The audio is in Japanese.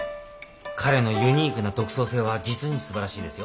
彼のユニークな独創性は実にすばらしいですよ。